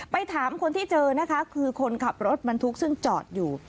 ถามคนที่เจอนะคะคือคนขับรถบรรทุกซึ่งจอดอยู่